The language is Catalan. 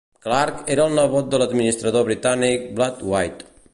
Clarke era el nebot de l'administrador britànic Blathwayt.